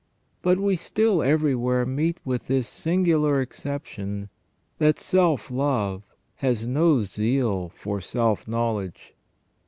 But we still everywhere meet with this singular excep tion, that self love has no zeal for self knowledge.